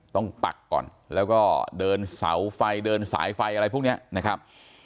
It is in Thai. ปักก่อนแล้วก็เดินเสาไฟเดินสายไฟอะไรพวกนี้นะครับ